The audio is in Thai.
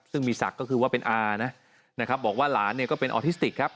ซึ่งมีศักดิ์ก็คือว่าเป็นอานะนะครับบอกว่าหลานเนี่ยก็เป็นออทิสติกครับ